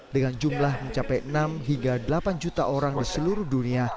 dengan jumlah mencapai enam hingga delapan juta orang di seluruh dunia